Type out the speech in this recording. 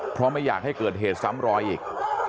เพราะไม่อยากให้เกิดเหตุซ้ำรอยอีก